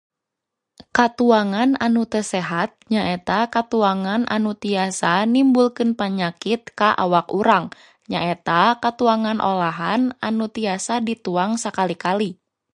Katuangan anu teu sehat nyaeta katuangan anu tiasa nimbulkeun panyakit ka awak urang, nyaeta katuangan olahan anu tiasa dituang sakali-kali.